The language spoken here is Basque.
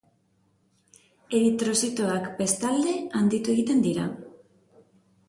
Eritrozitoak, bestalde, handitu egiten dira.